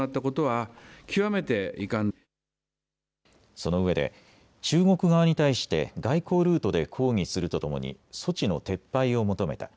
そのうえで中国側に対して外交ルートで抗議するとともに措置の撤廃を求めた。